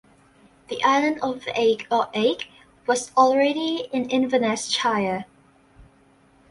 The island of Egg or Eigg was already in Inverness-shire.